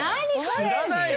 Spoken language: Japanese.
知らないよ